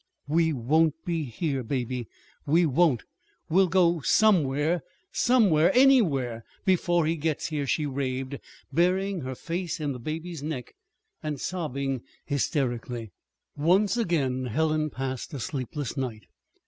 _ "We won't be here, Baby, we won't! We'll go somewhere somewhere anywhere! before he gets here," she raved, burying her face in the baby's neck and sobbing hysterically. Once again Helen passed a sleepless night.